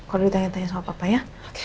kalau ditanya tanya sama papa ya